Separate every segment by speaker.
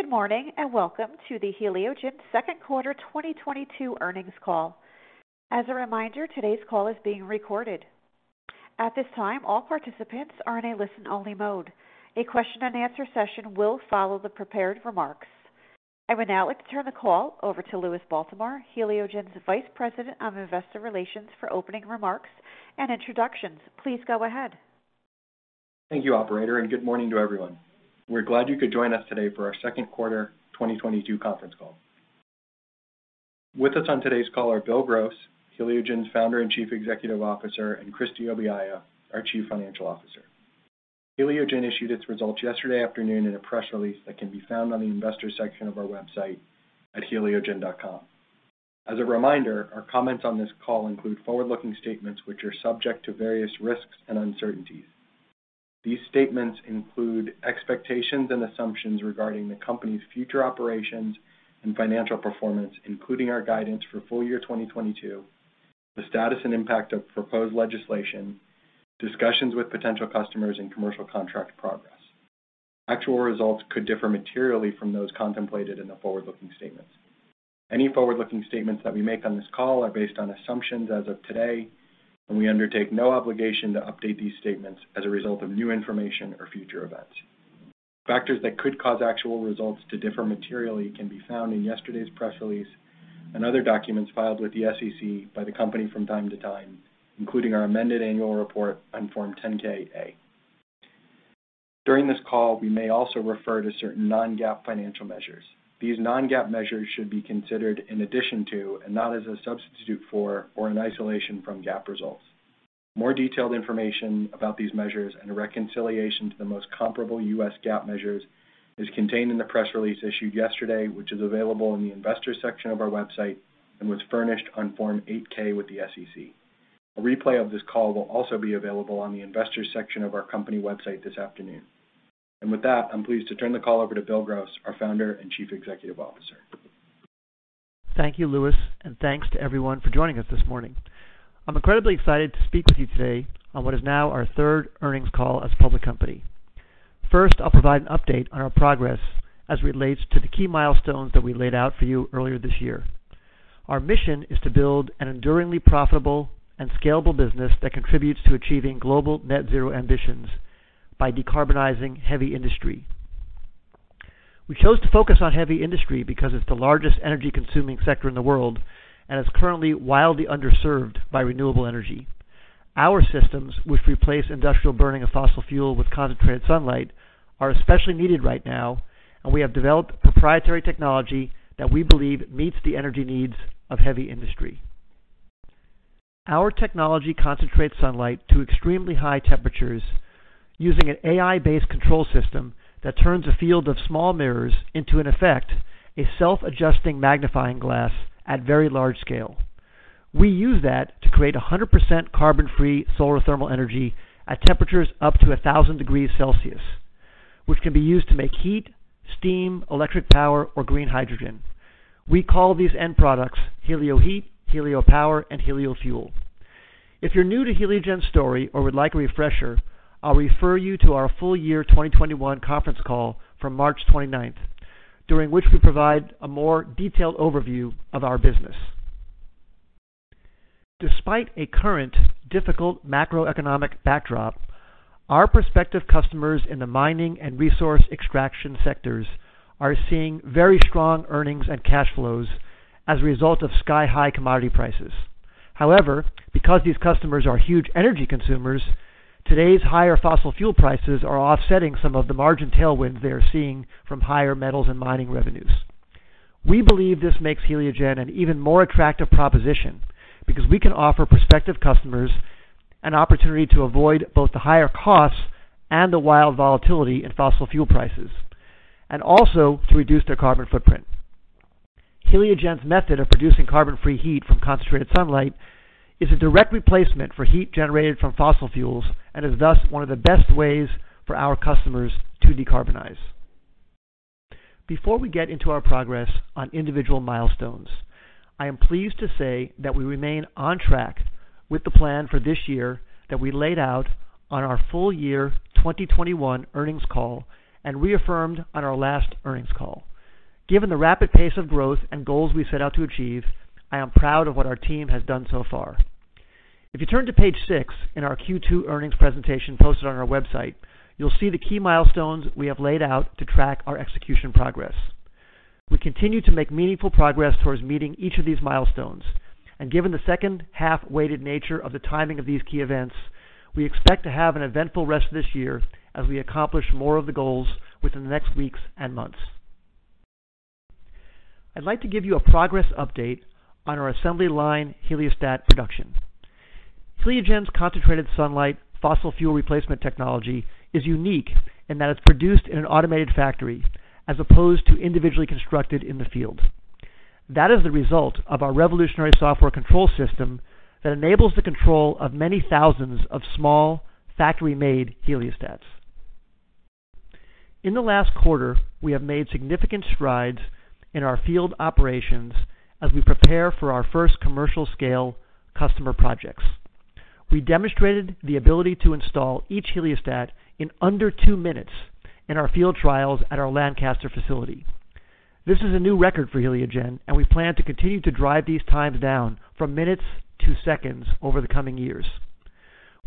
Speaker 1: Good morning, and welcome to the Heliogen second quarter 2022 earnings call. As a reminder, today's call is being recorded. At this time, all participants are in a listen-only mode. A question-and-answer session will follow the prepared remarks. I would now like to turn the call over to Louis Baltimore, Heliogen's Vice President of Investor Relations for opening remarks and introductions. Please go ahead.
Speaker 2: Thank you, operator, and good morning to everyone. We're glad you could join us today for our second quarter 2022 conference call. With us on today's call are Bill Gross, Heliogen's founder and Chief Executive Officer, and Christie Obiaya, our Chief Financial Officer. Heliogen issued its results yesterday afternoon in a press release that can be found on the investor section of our website at heliogen.com. As a reminder, our comments on this call include forward-looking statements which are subject to various risks and uncertainties. These statements include expectations and assumptions regarding the company's future operations and financial performance, including our guidance for full year 2022, the status and impact of proposed legislation, discussions with potential customers, and commercial contract progress. Actual results could differ materially from those contemplated in the forward-looking statements. Any forward-looking statements that we make on this call are based on assumptions as of today, and we undertake no obligation to update these statements as a result of new information or future events. Factors that could cause actual results to differ materially can be found in yesterday's press release and other documents filed with the SEC by the company from time to time, including our amended annual report on Form 10-K/A. During this call, we may also refer to certain non-GAAP financial measures. These non-GAAP measures should be considered in addition to and not as a substitute for, or in isolation from U.S. GAAP results. More detailed information about these measures and a reconciliation to the most comparable U.S. GAAP measures is contained in the press release issued yesterday, which is available in the investors section of our website and was furnished on Form 8-K with the SEC. A replay of this call will also be available on the investors section of our company website this afternoon. With that, I'm pleased to turn the call over to Bill Gross, our founder and Chief Executive Officer.
Speaker 3: Thank you, Louis, and thanks to everyone for joining us this morning. I'm incredibly excited to speak with you today on what is now our third earnings call as a public company. First, I'll provide an update on our progress as it relates to the key milestones that we laid out for you earlier this year. Our mission is to build an enduringly profitable and scalable business that contributes to achieving global net zero ambitions by decarbonizing heavy industry. We chose to focus on heavy industry because it's the largest energy consuming sector in the world and is currently wildly underserved by renewable energy. Our systems, which replace industrial burning of fossil fuel with concentrated sunlight, are especially needed right now, and we have developed proprietary technology that we believe meets the energy needs of heavy industry. Our technology concentrates sunlight to extremely high temperatures using an AI-based control system that turns a field of small mirrors into, in effect, a self-adjusting magnifying glass at very large scale. We use that to create 100% carbon-free solar thermal energy at temperatures up to 1,000 degrees Celsius, which can be used to make heat, steam, electric power, or green hydrogen. We call these end products HelioHeat, HelioPower, and HelioFuel. If you're new to Heliogen's story or would like a refresher, I'll refer you to our full year 2021 conference call from March 29th, during which we provide a more detailed overview of our business. Despite a current difficult macroeconomic backdrop, our prospective customers in the mining and resource extraction sectors are seeing very strong earnings and cash flows as a result of sky-high commodity prices. However, because these customers are huge energy consumers, today's higher fossil fuel prices are offsetting some of the margin tailwind they are seeing from higher metals and mining revenues. We believe this makes Heliogen an even more attractive proposition because we can offer prospective customers an opportunity to avoid both the higher costs and the wild volatility in fossil fuel prices, and also to reduce their carbon footprint. Heliogen's method of producing carbon-free heat from concentrated sunlight is a direct replacement for heat generated from fossil fuels and is thus one of the best ways for our customers to decarbonize. Before we get into our progress on individual milestones, I am pleased to say that we remain on track with the plan for this year that we laid out on our full year 2021 earnings call and reaffirmed on our last earnings call. Given the rapid pace of growth and goals we set out to achieve, I am proud of what our team has done so far. If you turn to page six in our Q2 earnings presentation posted on our website, you'll see the key milestones we have laid out to track our execution progress. We continue to make meaningful progress towards meeting each of these milestones. Given the second half weighted nature of the timing of these key events, we expect to have an eventful rest of this year as we accomplish more of the goals within the next weeks and months. I'd like to give you a progress update on our assembly line heliostat production. Heliogen's concentrated sunlight fossil fuel replacement technology is unique in that it's produced in an automated factory as opposed to individually constructed in the field. That is the result of our revolutionary software control system that enables the control of many thousands of small factory-made heliostats. In the last quarter, we have made significant strides in our field operations as we prepare for our first commercial scale customer projects. We demonstrated the ability to install each heliostat in under 2 minutes in our field trials at our Lancaster facility. This is a new record for Heliogen, and we plan to continue to drive these times down from minutes to seconds over the coming years.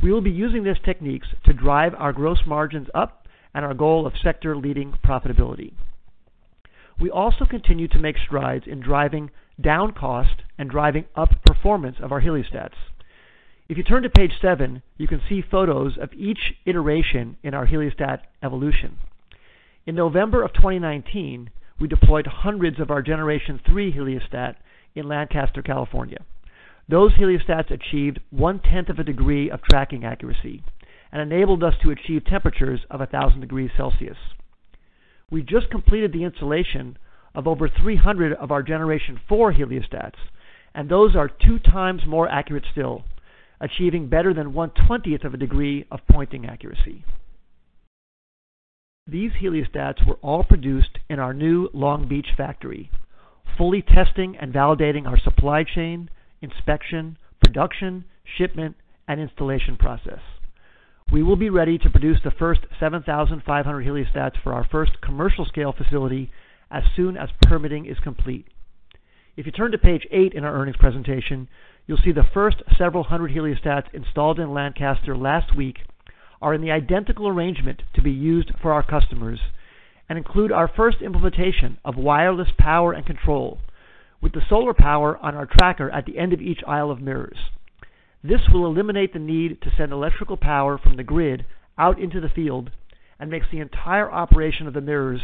Speaker 3: We will be using these techniques to drive our gross margins up and our goal of sector-leading profitability. We also continue to make strides in driving down cost and driving up performance of our heliostats. If you turn to page seven, you can see photos of each iteration in our heliostat evolution. In November 2019, we deployed hundreds of our generation three heliostats in Lancaster, California. Those heliostats achieved one-tenth of a degree of tracking accuracy and enabled us to achieve temperatures of 1,000 degrees Celsius. We just completed the installation of over 300 of our generation four heliostats, and those are 2 times more accurate still, achieving better than one-twentieth of a degree of pointing accuracy. These heliostats were all produced in our new Long Beach factory, fully testing and validating our supply chain, inspection, production, shipment, and installation process. We will be ready to produce the first 7,500 heliostats for our first commercial scale facility as soon as permitting is complete. If you turn to page eight in our earnings presentation, you'll see the first several hundred heliostats installed in Lancaster last week are in the identical arrangement to be used for our customers and include our first implementation of wireless power and control with the solar power on our tracker at the end of each aisle of mirrors. This will eliminate the need to send electrical power from the grid out into the field and makes the entire operation of the mirrors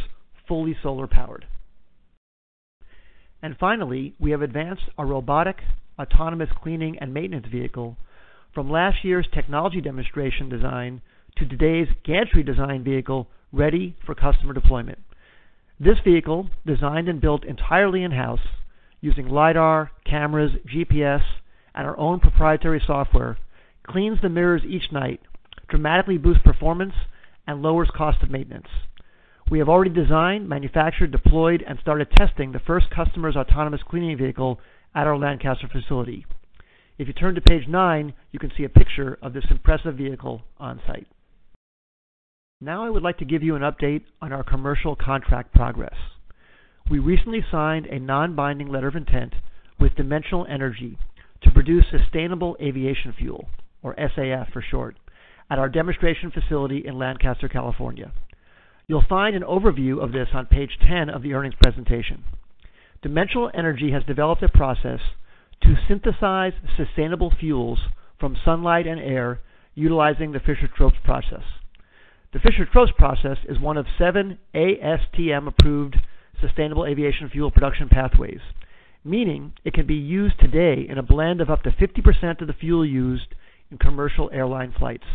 Speaker 3: fully solar powered. Finally, we have advanced our robotic autonomous cleaning and maintenance vehicle from last year's technology demonstration design to today's gantry design vehicle ready for customer deployment. This vehicle, designed and built entirely in-house using lidar, cameras, GPS, and our own proprietary software, cleans the mirrors each night, dramatically boosts performance, and lowers cost of maintenance. We have already designed, manufactured, deployed, and started testing the first customer's autonomous cleaning vehicle at our Lancaster facility. If you turn to page nine, you can see a picture of this impressive vehicle on site. Now I would like to give you an update on our commercial contract progress. We recently signed a non-binding letter of intent with Dimensional Energy to produce sustainable aviation fuel, or SAF for short, at our demonstration facility in Lancaster, California. You'll find an overview of this on page 10 of the earnings presentation. Dimensional Energy has developed a process to synthesize sustainable fuels from sunlight and air utilizing the Fischer-Tropsch process. The Fischer-Tropsch process is one of seven ASTM approved sustainable aviation fuel production pathways, meaning it can be used today in a blend of up to 50% of the fuel used in commercial airline flights.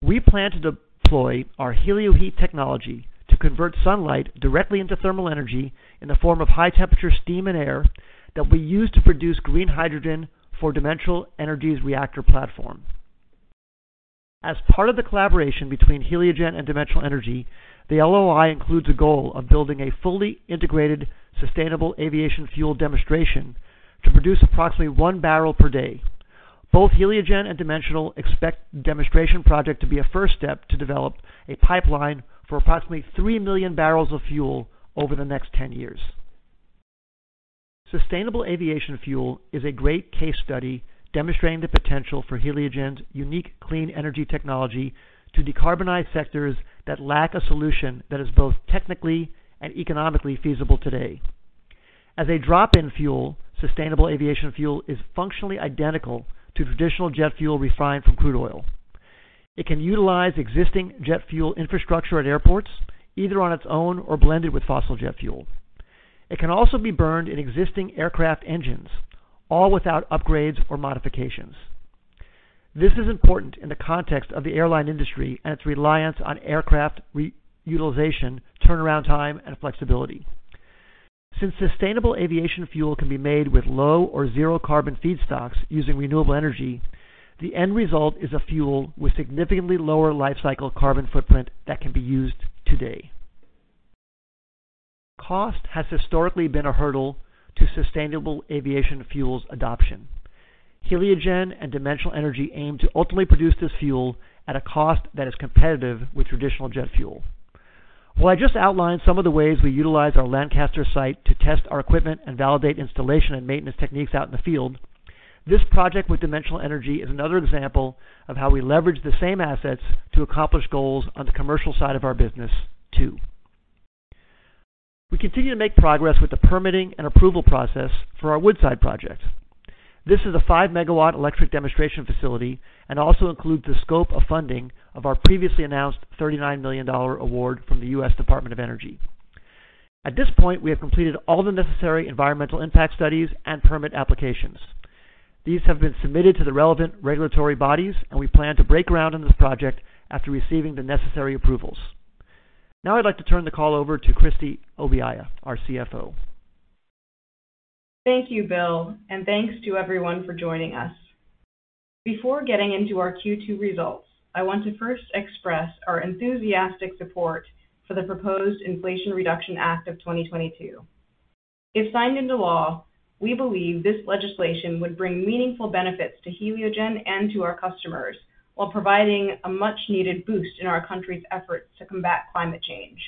Speaker 3: We plan to deploy our HelioHeat technology to convert sunlight directly into thermal energy in the form of high temperature steam and air that we use to produce green hydrogen for Dimensional Energy's reactor platform. As part of the collaboration between Heliogen and Dimensional Energy, the LOI includes a goal of building a fully integrated, sustainable aviation fuel demonstration to produce approximately one barrel per day. Both Heliogen and Dimensional expect demonstration project to be a first step to develop a pipeline for approximately 3 million barrels of fuel over the next 10 years. Sustainable aviation fuel is a great case study demonstrating the potential for Heliogen's unique clean energy technology to decarbonize sectors that lack a solution that is both technically and economically feasible today. As a drop-in fuel, sustainable aviation fuel is functionally identical to traditional jet fuel refined from crude oil. It can utilize existing jet fuel infrastructure at airports, either on its own or blended with fossil jet fuel. It can also be burned in existing aircraft engines, all without upgrades or modifications. This is important in the context of the airline industry and its reliance on aircraft re-utilization, turnaround time, and flexibility. Since sustainable aviation fuel can be made with low or zero carbon feedstocks using renewable energy, the end result is a fuel with significantly lower lifecycle carbon footprint that can be used today. Cost has historically been a hurdle to sustainable aviation fuels adoption. Heliogen and Dimensional Energy aim to ultimately produce this fuel at a cost that is competitive with traditional jet fuel. While I just outlined some of the ways we utilize our Lancaster site to test our equipment and validate installation and maintenance techniques out in the field, this project with Dimensional Energy is another example of how we leverage the same assets to accomplish goals on the commercial side of our business too. We continue to make progress with the permitting and approval process for our Woodside Energy projects. This is a 5-MW electric demonstration facility and also includes the scope of funding of our previously announced $39 million award from the U.S. Department of Energy. At this point, we have completed all the necessary environmental impact studies and permit applications. These have been submitted to the relevant regulatory bodies, and we plan to break ground on this project after receiving the necessary approvals. Now I'd like to turn the call over to Christie Obiaya, our CFO.
Speaker 4: Thank you, Bill, and thanks to everyone for joining us. Before getting into our Q2 results, I want to first express our enthusiastic support for the proposed Inflation Reduction Act of 2022. If signed into law, we believe this legislation would bring meaningful benefits to Heliogen and to our customers, while providing a much needed boost in our country's efforts to combat climate change.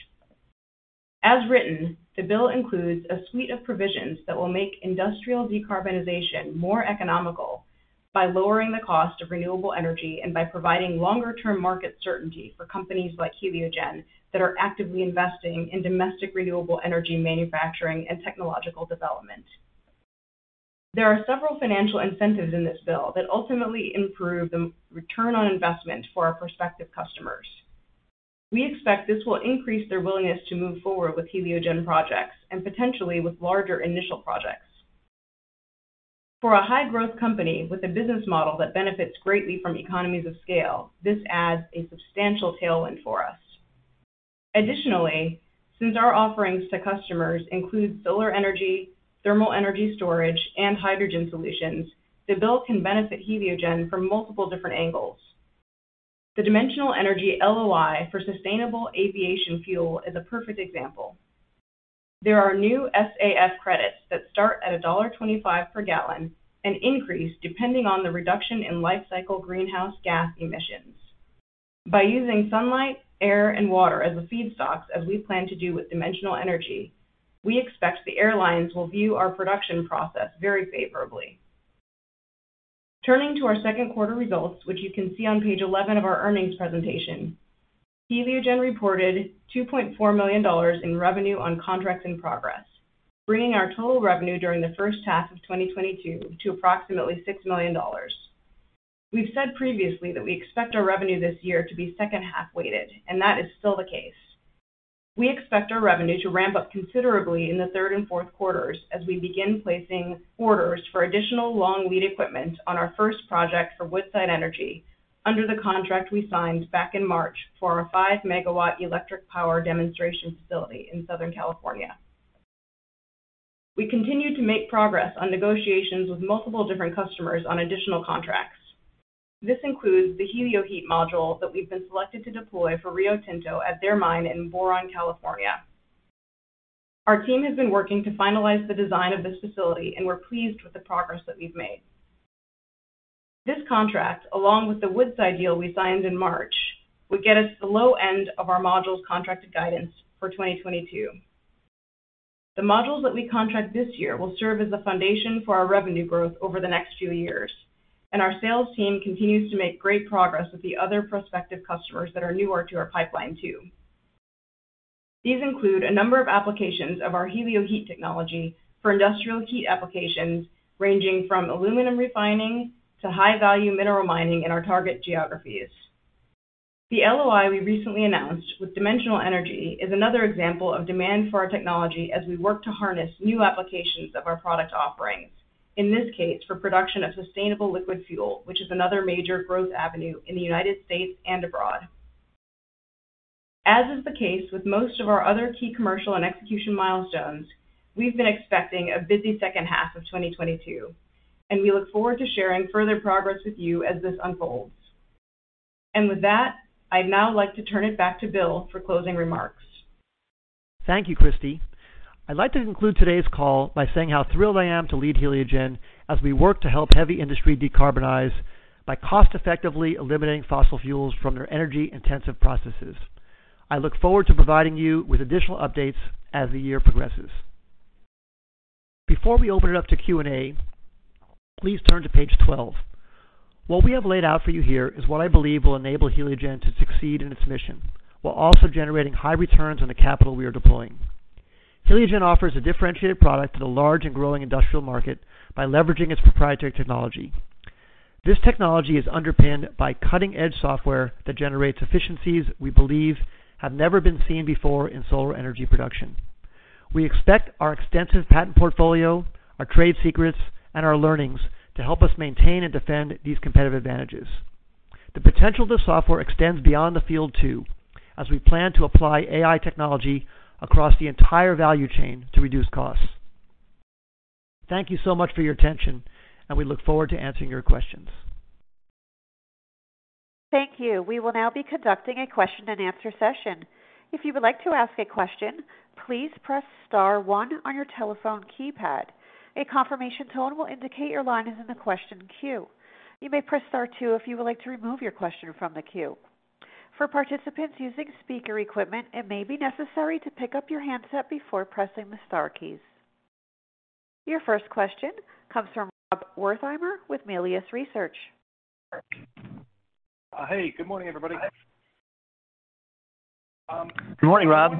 Speaker 4: As written, the bill includes a suite of provisions that will make industrial decarbonization more economical by lowering the cost of renewable energy and by providing longer term market certainty for companies like Heliogen that are actively investing in domestic renewable energy manufacturing and technological development. There are several financial incentives in this bill that ultimately improve the return on investment for our prospective customers. We expect this will increase their willingness to move forward with Heliogen projects and potentially with larger initial projects. For a high growth company with a business model that benefits greatly from economies of scale, this adds a substantial tailwind for us. Additionally, since our offerings to customers include solar energy, thermal energy storage, and hydrogen solutions, the bill can benefit Heliogen from multiple different angles. The Dimensional Energy LOI for sustainable aviation fuel is a perfect example. There are new SAF credits that start at $1.25 per gallon and increase depending on the reduction in life cycle greenhouse gas emissions. By using sunlight, air, and water as a feedstocks, as we plan to do with Dimensional Energy, we expect the airlines will view our production process very favorably. Turning to our second quarter results, which you can see on page 11 of our earnings presentation, Heliogen reported $2.4 million in revenue on contracts in progress, bringing our total revenue during the first half of 2022 to approximately $6 million. We've said previously that we expect our revenue this year to be second half weighted, and that is still the case. We expect our revenue to ramp up considerably in the third and fourth quarters as we begin placing orders for additional long lead equipment on our first project for Woodside Energy under the contract we signed back in March for our 5-megawatt electric power demonstration facility in Southern California. We continue to make progress on negotiations with multiple different customers on additional contracts. This includes the HelioHeat module that we've been selected to deploy for Rio Tinto at their mine in Boron, California. Our team has been working to finalize the design of this facility, and we're pleased with the progress that we've made. This contract, along with the Woodside deal we signed in March, would get us the low end of our modules contracted guidance for 2022. The modules that we contract this year will serve as the foundation for our revenue growth over the next few years, and our sales team continues to make great progress with the other prospective customers that are newer to our pipeline too. These include a number of applications of our HelioHeat technology for industrial heat applications ranging from aluminum refining to high-value mineral mining in our target geographies. The LOI we recently announced with Dimensional Energy is another example of demand for our technology as we work to harness new applications of our product offerings, in this case, for production of sustainable liquid fuel, which is another major growth avenue in the United States and abroad. As is the case with most of our other key commercial and execution milestones, we've been expecting a busy second half of 2022, and we look forward to sharing further progress with you as this unfolds. With that, I'd now like to turn it back to Bill for closing remarks.
Speaker 3: Thank you, Christie. I'd like to conclude today's call by saying how thrilled I am to lead Heliogen as we work to help heavy industry decarbonize by cost effectively eliminating fossil fuels from their energy intensive processes. I look forward to providing you with additional updates as the year progresses. Before we open it up to Q&A, please turn to page 12. What we have laid out for you here is what I believe will enable Heliogen to succeed in its mission, while also generating high returns on the capital we are deploying. Heliogen offers a differentiated product to the large and growing industrial market by leveraging its proprietary technology. This technology is underpinned by cutting-edge software that generates efficiencies we believe have never been seen before in solar energy production. We expect our extensive patent portfolio, our trade secrets, and our learnings to help us maintain and defend these competitive advantages. The potential of the software extends beyond the field too, as we plan to apply AI technology across the entire value chain to reduce costs. Thank you so much for your attention, and we look forward to answering your questions.
Speaker 1: Thank you. We will now be conducting a question and answer session. If you would like to ask a question, please press star one on your telephone keypad. A confirmation tone will indicate your line is in the question queue. You may press star two if you would like to remove your question from the queue. For participants using speaker equipment, it may be necessary to pick up your handset before pressing the star keys. Your first question comes from Rob Wertheimer with Melius Research.
Speaker 5: Hey, good morning, everybody.
Speaker 3: Good morning, Rob.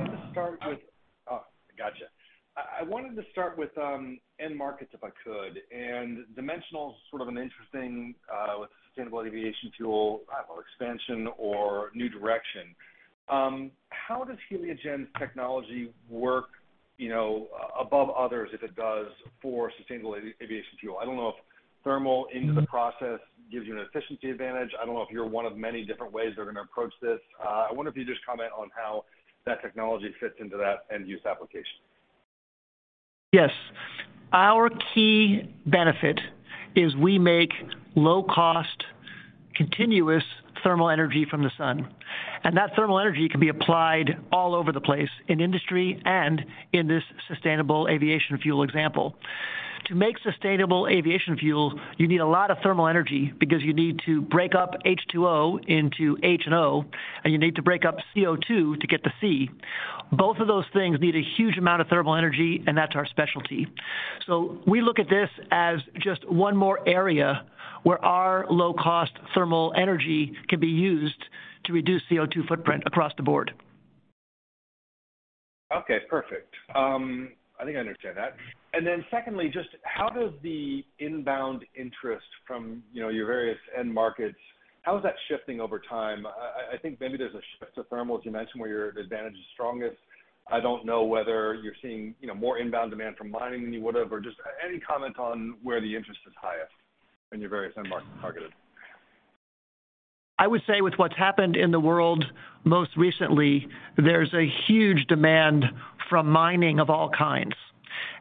Speaker 5: I wanted to start with end markets, if I could, and Dimensional is sort of an interesting with sustainable aviation fuel, I don't know, expansion or new direction. How does Heliogen's technology work, you know, above others, if it does, for sustainable aviation fuel? I don't know if thermal into the process gives you an efficiency advantage. I don't know if you're one of many different ways they're going to approach this. I wonder if you just comment on how that technology fits into that end use application.
Speaker 3: Yes. Our key benefit is we make low-cost continuous thermal energy from the sun. That thermal energy can be applied all over the place, in industry and in this sustainable aviation fuel example. To make sustainable aviation fuel, you need a lot of thermal energy because you need to break up H2O into H and O, and you need to break up CO2 to get the C. Both of those things need a huge amount of thermal energy, and that's our specialty. We look at this as just one more area where our low-cost thermal energy can be used to reduce CO2 footprint across the board.
Speaker 5: Okay, perfect. I think I understand that. Then secondly, just how does the inbound interest from, you know, your various end markets, how is that shifting over time? I think maybe there's a shift to thermal, as you mentioned, where your advantage is strongest. I don't know whether you're seeing, you know, more inbound demand from mining than you would have, or just any comment on where the interest is highest in your various end market targeted.
Speaker 3: I would say with what's happened in the world most recently, there's a huge demand from mining of all kinds.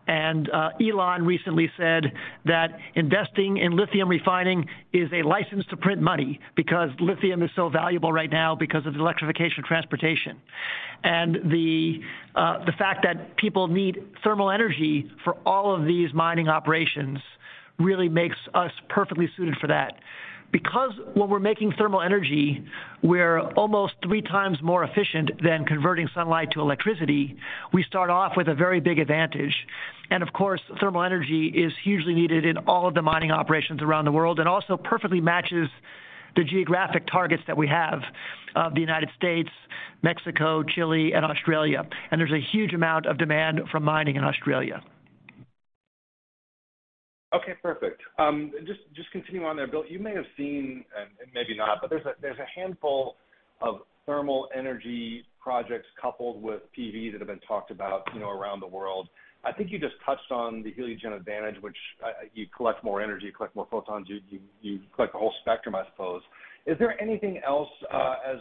Speaker 3: Elon recently said that investing in lithium refining is a license to print money because lithium is so valuable right now because of the electrification of transportation. The fact that people need thermal energy for all of these mining operations really makes us perfectly suited for that. Because when we're making thermal energy, we're almost three times more efficient than converting sunlight to electricity, we start off with a very big advantage. Of course, thermal energy is hugely needed in all of the mining operations around the world, and also perfectly matches the geographic targets that we have of the United States, Mexico, Chile, and Australia. There's a huge amount of demand from mining in Australia.
Speaker 5: Okay, perfect. Just continuing on there, Bill, you may have seen, and maybe not, but there's a handful of thermal energy projects coupled with PV that have been talked about, you know, around the world. I think you just touched on the Heliogen advantage, which you collect more energy, you collect more photons. You collect the whole spectrum, I suppose. Is there anything else as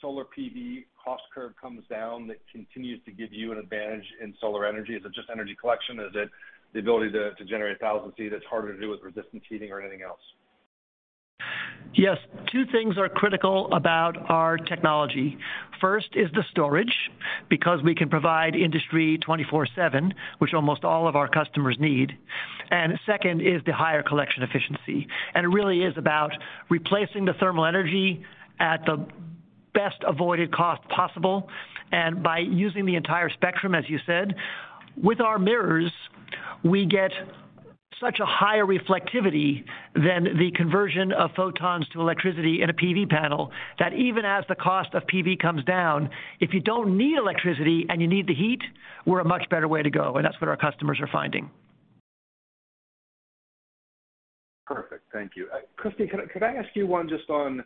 Speaker 5: solar PV cost curve comes down that continues to give you an advantage in solar energy? Is it just energy collection? Is it the ability to generate 1000 C that's harder to do with resistance heating or anything else?
Speaker 3: Yes. Two things are critical about our technology. First is the storage, because we can provide industry 24/7, which almost all of our customers need. Second is the higher collection efficiency. It really is about replacing the thermal energy at the best avoided cost possible, and by using the entire spectrum, as you said. With our mirrors, we get such a higher reflectivity than the conversion of photons to electricity in a PV panel that even as the cost of PV comes down, if you don't need electricity and you need the heat, we're a much better way to go, and that's what our customers are finding.
Speaker 5: Perfect. Thank you. Christie, can I ask you one just on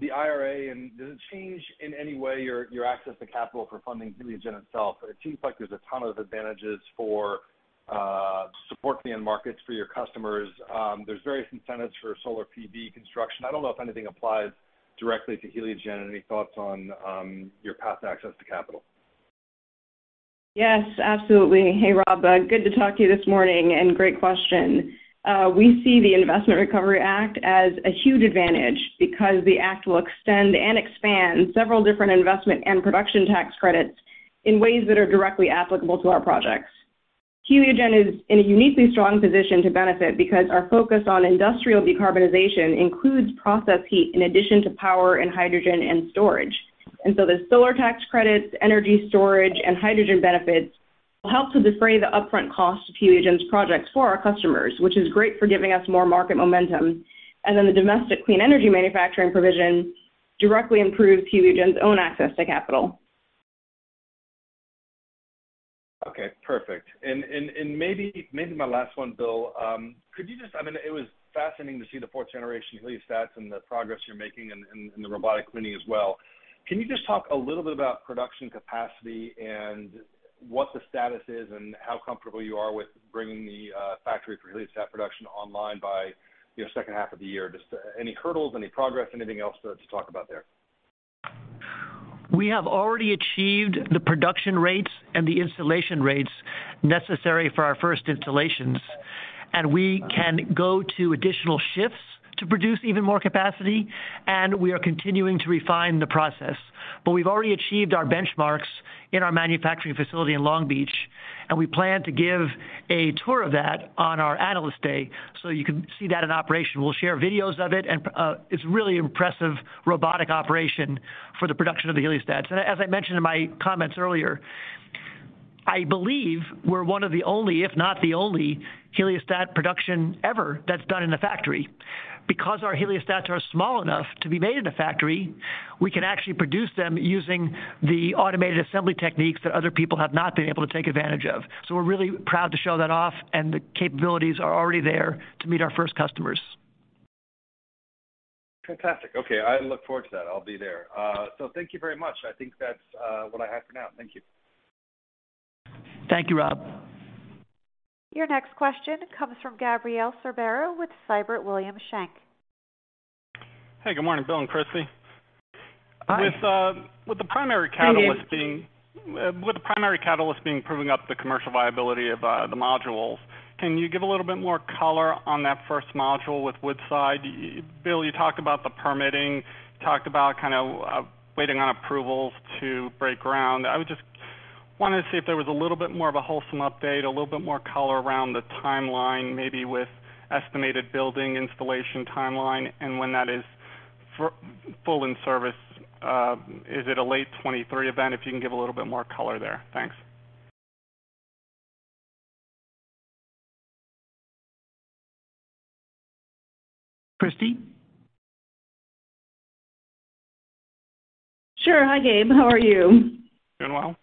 Speaker 5: the IRA, and does it change in any way your access to capital for funding Heliogen itself? It seems like there's a ton of advantages for support end markets for your customers. There's various incentives for solar PV construction. I don't know if anything applies directly to Heliogen. Any thoughts on your path to access to capital?
Speaker 4: Yes, absolutely. Hey, Rob, good to talk to you this morning and great question. We see the Inflation Reduction Act as a huge advantage because the act will extend and expand several different investment and production tax credits in ways that are directly applicable to our projects. Heliogen is in a uniquely strong position to benefit because our focus on industrial decarbonization includes process heat in addition to power and hydrogen and storage. The solar tax credits, energy storage, and hydrogen benefits will help to defray the upfront cost of Heliogen's projects for our customers, which is great for giving us more market momentum. The domestic clean energy manufacturing provision directly improves Heliogen's own access to capital.
Speaker 5: Okay, perfect. Maybe my last one, Bill. I mean, it was fascinating to see the fourth generation heliostats and the progress you're making in the robotic mining as well. Can you just talk a little bit about production capacity and what the status is and how comfortable you are with bringing the factory for heliostat production online by, you know, second half of the year? Just any hurdles, any progress, anything else to talk about there?
Speaker 3: We have already achieved the production rates and the installation rates necessary for our first installations, and we can go to additional shifts to produce even more capacity, and we are continuing to refine the process. We've already achieved our benchmarks in our manufacturing facility in Long Beach, and we plan to give a tour of that on our Analyst Day, so you can see that in operation. We'll share videos of it and, it's really impressive robotic operation for the production of the heliostats. As I mentioned in my comments earlier, I believe we're one of the only, if not the only, heliostat production ever that's done in a factory. Because our heliostats are small enough to be made in a factory, we can actually produce them using the automated assembly techniques that other people have not been able to take advantage of. We're really proud to show that off, and the capabilities are already there to meet our first customers.
Speaker 5: Fantastic. Okay, I look forward to that. I'll be there. Thank you very much. I think that's what I have for now. Thank you.
Speaker 3: Thank you, Rob.
Speaker 1: Your next question comes from Gabriele Sorbara with Siebert Williams Shank.
Speaker 6: Hey, good morning, Bill and Christie, with the primary catalyst being-
Speaker 3: Ian.
Speaker 6: With the primary catalyst being proving up the commercial viability of the modules, can you give a little bit more color on that first module with Woodside Energy? Bill, you talked about the permitting. You talked about kinda waiting on approvals to break ground. I would just wanna see if there was a little bit more of a whole update, a little bit more color around the timeline, maybe with estimated building installation timeline, and when that is full in service. Is it a late 2023 event? If you can give a little bit more color there. Thanks.
Speaker 3: Christie?
Speaker 4: Sure. Hi, Gabe. How are you?
Speaker 6: Doing well.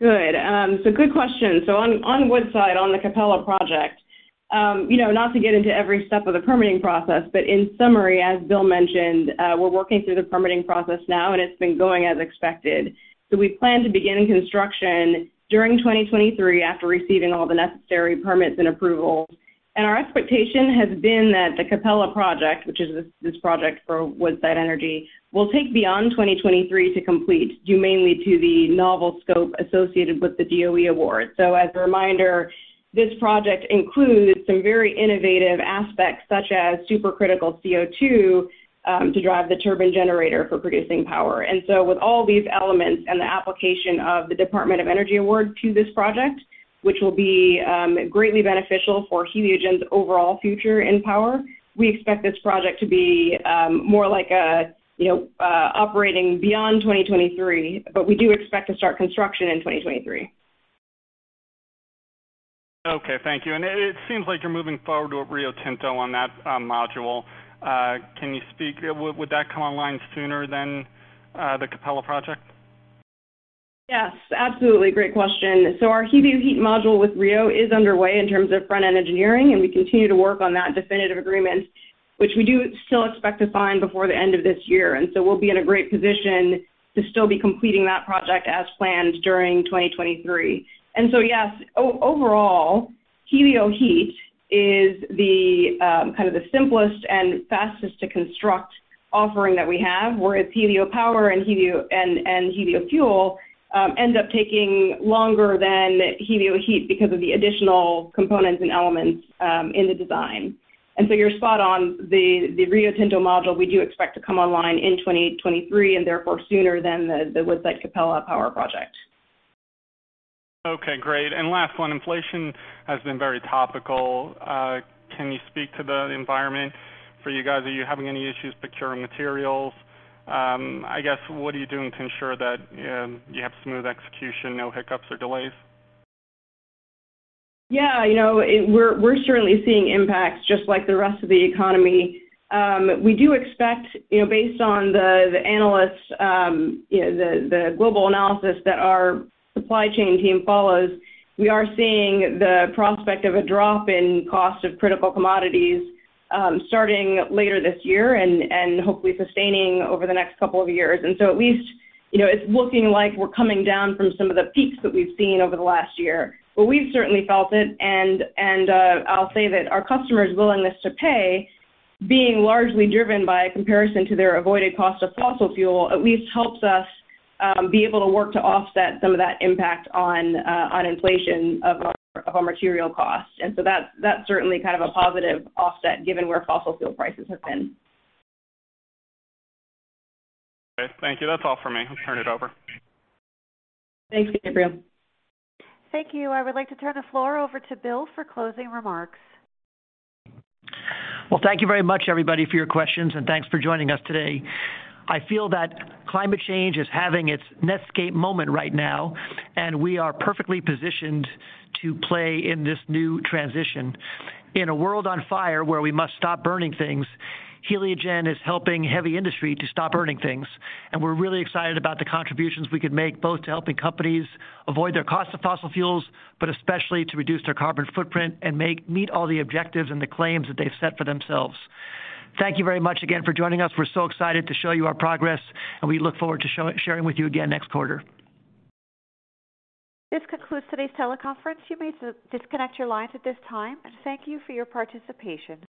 Speaker 4: Good question. On Woodside, on the Capella project, you know, not to get into every step of the permitting process, but in summary, as Bill mentioned, we're working through the permitting process now, and it's been going as expected. We plan to begin construction during 2023 after receiving all the necessary permits and approvals. Our expectation has been that the Capella project, which is this project for Woodside Energy, will take beyond 2023 to complete, due mainly to the novel scope associated with the DOE award. As a reminder, this project includes some very innovative aspects such as supercritical CO2 to drive the turbine generator for producing power. With all these elements and the application of the Department of Energy award to this project, which will be greatly beneficial for Heliogen's overall future in power, we expect this project to be more like a, you know, operating beyond 2023, but we do expect to start construction in 2023.
Speaker 6: Okay. Thank you. It seems like you're moving forward with Rio Tinto on that module. Would that come online sooner than the Capella project?
Speaker 4: Yes, absolutely. Great question. Our HelioHeat module with Rio Tinto is underway in terms of front-end engineering, and we continue to work on that definitive agreement, which we do still expect to sign before the end of this year. We'll be in a great position to still be completing that project as planned during 2023. Yes, overall, HelioHeat is the kind of the simplest and fastest to construct offering that we have, whereas HelioPower and HelioFuel end up taking longer than HelioHeat because of the additional components and elements in the design. You're spot on. The Rio Tinto module we do expect to come online in 2023, and therefore sooner than the Woodside Capella power project.
Speaker 6: Okay, great. Last one, inflation has been very topical. Can you speak to the environment for you guys? Are you having any issues procuring materials? I guess, what are you doing to ensure that you have smooth execution, no hiccups or delays?
Speaker 4: Yeah, you know, we're certainly seeing impacts just like the rest of the economy. We do expect, you know, based on the analysts, you know, the global analysis that our supply chain team follows, we are seeing the prospect of a drop in cost of critical commodities, starting later this year and hopefully sustaining over the next couple of years. At least, you know, it's looking like we're coming down from some of the peaks that we've seen over the last year. We've certainly felt it, and I'll say that our customers' willingness to pay, being largely driven by comparison to their avoided cost of fossil fuel, at least helps us be able to work to offset some of that impact on inflation of our material costs. That's certainly kind of a positive offset given where fossil fuel prices have been.
Speaker 6: Okay, thank you. That's all for me. I'll turn it over.
Speaker 4: Thanks, Gabriele.
Speaker 1: Thank you. I would like to turn the floor over to Bill for closing remarks.
Speaker 3: Well, thank you very much, everybody, for your questions, and thanks for joining us today. I feel that climate change is having its Netscape moment right now, and we are perfectly positioned to play in this new transition. In a world on fire where we must stop burning things, Heliogen is helping heavy industry to stop burning things, and we're really excited about the contributions we could make, both to helping companies avoid their cost of fossil fuels, but especially to reduce their carbon footprint and meet all the objectives and the claims that they've set for themselves. Thank you very much again for joining us. We're so excited to show you our progress, and we look forward to sharing with you again next quarter.
Speaker 1: This concludes today's teleconference. You may disconnect your lines at this time, and thank you for your participation.